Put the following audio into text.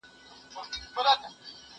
زه له سهاره سبزېجات خورم!؟